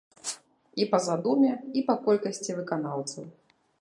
І па задуме, і па колькасці выканаўцаў.